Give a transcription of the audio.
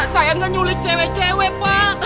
saya gak nyulik cewek cewek pak